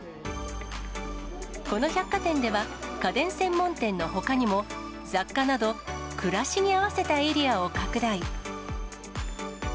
この百貨店では家電専門店のほかにも、雑貨など暮らしに合わせたエリアを拡大。